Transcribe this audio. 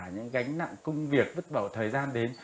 những gánh nặng công việc vứt bỏ thời gian đến